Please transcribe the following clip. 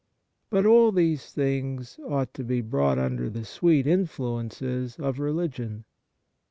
But all these things ought to be brought under the sweet influences of religion.